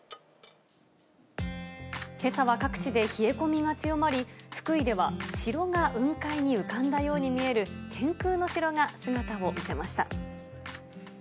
けさは各地で冷え込みが強まり、福井では城が雲海に浮かんだように見える天空の城が姿を見せました。